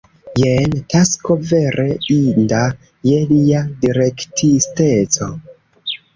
Jen tasko vere inda je lia direktisteco.